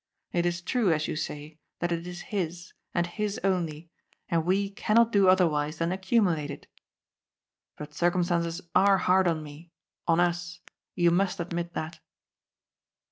It is true, as you say, that it is his, and his only, and we cannot do otherwise than accumulate it. But circumstances are hard on me — on us ; you must admit that."